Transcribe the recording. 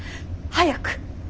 早く。